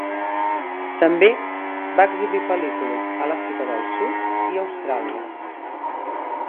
També va exhibir pel·lícules a l'Àfrica del Sud i Austràlia.